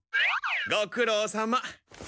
ご苦労さま。